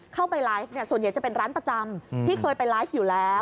เข้าไปไลฟ์เนี่ยส่วนใหญ่จะเป็นร้านประจำที่เคยไปไลฟ์อยู่แล้ว